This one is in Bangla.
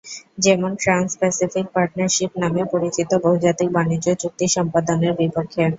যেমন ট্রান্স প্যাসিফিক পার্টনারশিপ নামে পরিচিত বহুজাতিক বাণিজ্য চুক্তি সম্পাদনের বিপক্ষে।